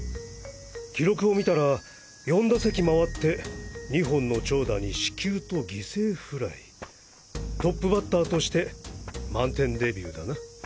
記録を見たら４打席回って２本の長打に四球と犠牲フライトップバッターとして満点デビューだな。